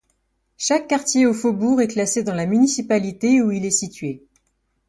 Chaque quartier ou faubourg est classé dans la municipalité où il est situé.